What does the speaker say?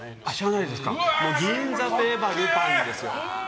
銀座といえばルパンです。